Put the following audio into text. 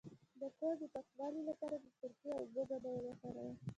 د کور د پاکوالي لپاره د سرکې او اوبو ګډول وکاروئ